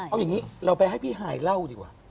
เอาอย่างนี้เราไปให้พี่ฮายเล่าดีกว่า